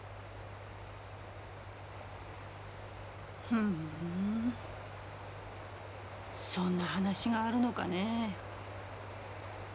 ふんそんな話があるのかねぇ。